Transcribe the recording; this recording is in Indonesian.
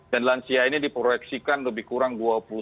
lansia ini diproyeksikan lebih kurang